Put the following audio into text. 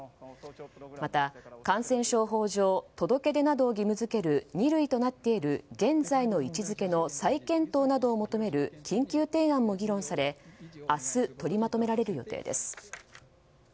また感染症法上届け出などを義務付ける二類となっている現在の位置づけの再検討などを求める緊急提案も議論され明日取りまとめられる予定です。